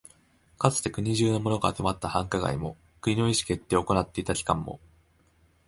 かつて国中のものが集まった繁華街も、国の意思決定を行っていた機関も、